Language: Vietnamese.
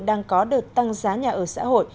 đang có đợt tăng giá nhà ở xã hội